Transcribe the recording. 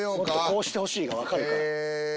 こうしてほしいが分かるから。